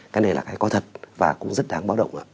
cái này là ai có thật và cũng rất đáng báo động